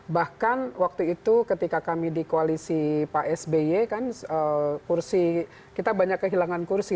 bahkan waktu itu ketika kami di koalisi pak sby kan kursi kita banyak kehilangan kursi